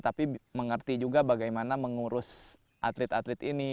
tapi mengerti juga bagaimana mengurus atlet atlet ini